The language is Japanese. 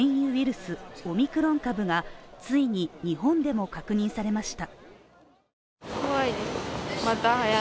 スオミクロン株が、ついに日本でも確認されました。